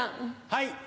はい。